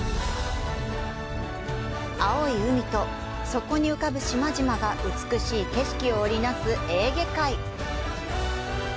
青い海とそこに浮かぶ島々が美しい景色を織りなすエーゲ海。